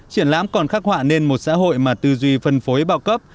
triển lãm còn khắc họa nên một xã hội mà tư duy phân phối bao cấp